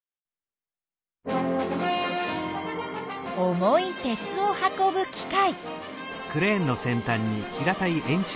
重い鉄を運ぶ機械。